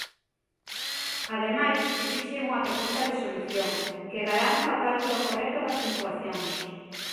Ademais, exixe unha "proposta de solución" que garanta o cálculo correcto das puntuacións.